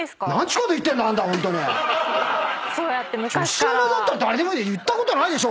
女子アナだったら誰でもいいって言ったことないでしょ！